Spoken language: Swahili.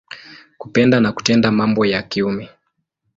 Kupenda na kutenda mambo ya kiume.